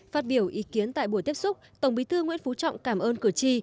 phát biểu ý kiến tại buổi tiếp xúc tổng bí thư nguyễn phú trọng cảm ơn cử tri